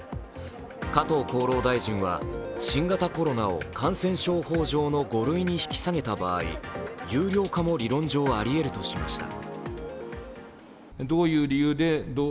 加藤厚労大臣は新型コロナを感染症法上の５類に引き下げた場合、有料化も理論上あり得るとしました。